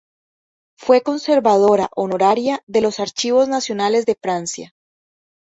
Fue conservadora honoraria de los Archivos Nacionales de Francia.